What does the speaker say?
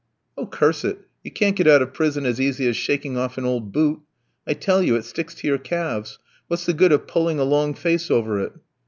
"Oh, curse it, you can't get out of prison as easy as shaking off an old boot. I tell you it sticks to your calves. What's the good of pulling a long face over it?"